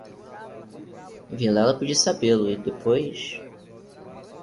Vilela podia sabê-lo, e depois...